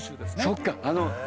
そっか。